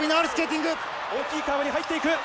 大きいカーブに入っていく。